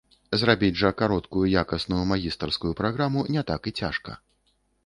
Зрабіць жа кароткую якасную магістарскую праграму не так і цяжка.